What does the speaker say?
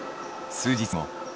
数日後。